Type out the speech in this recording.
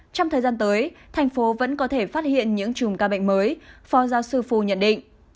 trong thời gian tới thành phố vẫn có thể phát hiện những chùm ca bệnh mới phó giáo sư phu nhận định